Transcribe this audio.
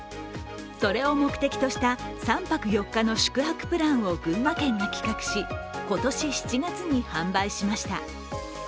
それを目的とした３泊４日の宿泊プランを群馬県が企画し今年７月に販売しました。